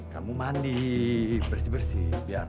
kamu mandi bersih bersih